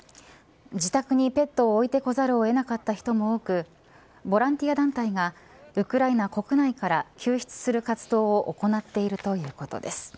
自宅にペットを置いてこざるを得なかった人も多くボランティア団体がウクライナ国内から救出する活動を行っているということです。